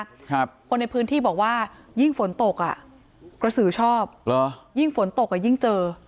คนในพื้นที่บอกว่ายิ่งฝนตกอ่ะกระสือชอบเหรอยิ่งฝนตกอ่ะยิ่งเจอ